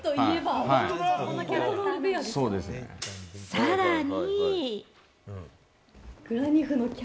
さらに。